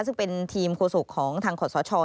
ซึ่งเป็นทีมโฆษกของทางขอสช